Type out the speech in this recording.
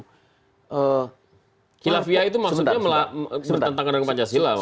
hilafiah itu maksudnya bertentangan dengan pancasila maksudnya